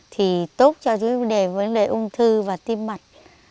thì tốt cho vấn đề vấn đề ung thư và tim mạch